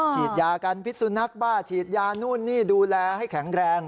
ฉีดยากันพิษสุนัขบ้าฉีดยานู่นนี่ดูแลให้แข็งแรง